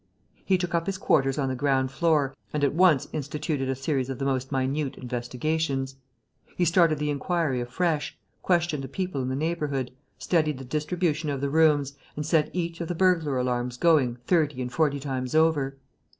He took up his quarters on the ground floor and at once instituted a series of the most minute investigations. He started the inquiry afresh, questioned the people in the neighbourhood, studied the distribution of the rooms and set each of the burglar alarms going thirty and forty times over.